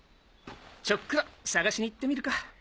ちょっくら捜しに行ってみるか。